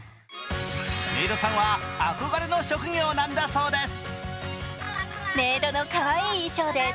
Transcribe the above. メイドさんは憧れの職業なんだそうです。